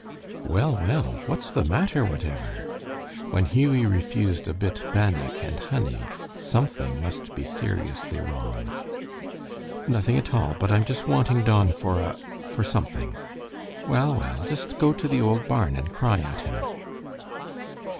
"Well, well! What's the matter, whatever?" When Hughie refused a "bit bannock" and honey, something must be seriously wrong. "Nothing at all, but I'm just wanting Don for a for something." "Well, well, just go to the old barn and cry at him."